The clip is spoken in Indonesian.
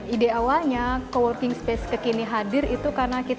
ide awalnya co working space kekini hadir itu karena kita